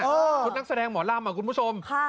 ชุดนักแสดงหมอลำคุณผู้ชม